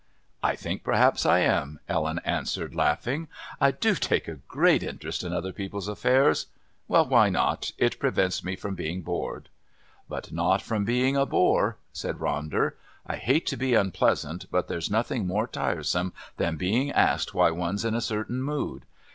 "I think perhaps I am," Ellen answered, laughing. "I do take a great interest in other people's affairs. Well, why not? It prevents me from being bored." "But not from being a bore," said Ronder. "I hate to be unpleasant, but there's nothing more tiresome than being asked why one's in a certain mood.